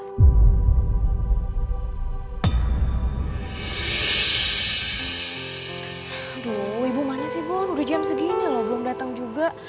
aduh ibu mana sih bu udah jam segini loh belum datang juga